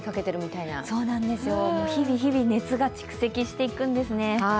そうなんですよ、日々日々、熱が蓄積していくんですね。